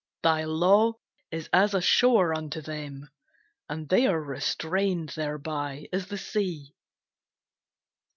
Thy law is as a shore unto them, And they are restrained thereby as the sea.